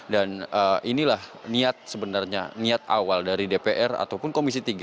dan inilah niat sebenarnya niat awal dari dpr ataupun komisi tiga